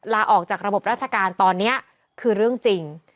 ลาออกจากระบบราชการตอนนี้คือเรื่องจริง